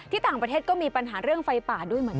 ต่างประเทศก็มีปัญหาเรื่องไฟป่าด้วยเหมือนกัน